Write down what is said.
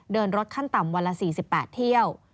เดินรถขั้นต่ำวันละ๔๘เที่ยว